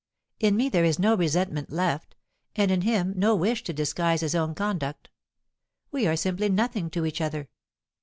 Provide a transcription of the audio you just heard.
In me there is no resentment left, and in him no wish to disguise his own conduct. We are simply nothing to each other.